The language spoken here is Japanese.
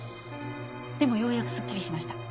でもようやくスッキリしました。